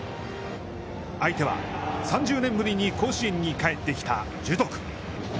相手は、３０年ぶりに甲子園に帰ってきた樹徳。